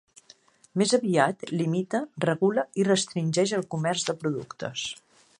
Més aviat, limita, regula i restringeix el comerç de productes.